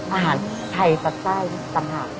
อาหารไทยต่างต่างหาก